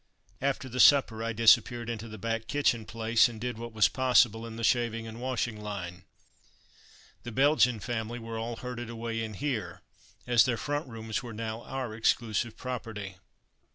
After the supper, I disappeared into the back kitchen place and did what was possible in the shaving and washing line. The Belgian family were all herded away in here, as their front rooms were now our exclusive property.